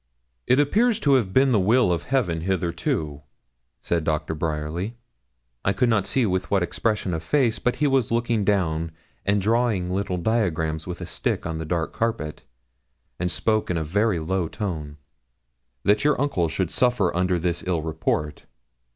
'It appears to have been the will of Heaven hitherto,' said Doctor Bryerly I could not see with what expression of face, but he was looking down, and drawing little diagrams with his stick on the dark carpet, and spoke in a very low tone 'that your uncle should suffer under this ill report.